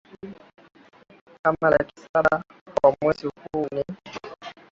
kama laki saba kwa mwezi Huu ni